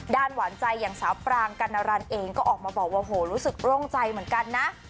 หวานใจอย่างสาวปรางกัณรันเองก็ออกมาบอกว่าโหรู้สึกโล่งใจเหมือนกันนะ